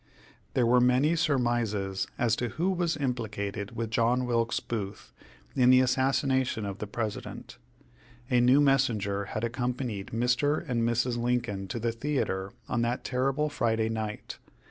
There were many surmises as to who was implicated with J. Wilkes Booth in the assassination of the President. A new messenger had accompanied Mr. and Mrs. Lincoln to the theatre on that terrible Friday night.